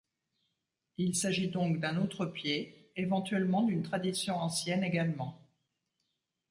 Il s'agit donc d'un autre pied, éventuellement d'une tradition ancienne également.